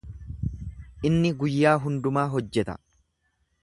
Inni guyyaa hundumaa hojjeta.